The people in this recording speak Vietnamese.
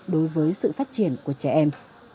đối với sự phát triển của trẻ em